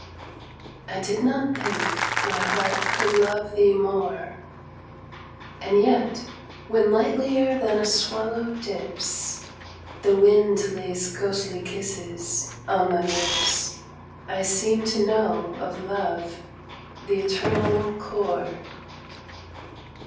I did not think my heart could love thee more, And yet, when lightlier than a swallow dips, The wind lays ghostly kisses on my lips I seem to know of love the eternal core.